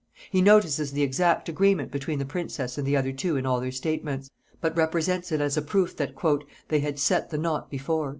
He notices the exact agreement between the princess and the other two in all their statements, but represents it as a proof that "they had set the knot before."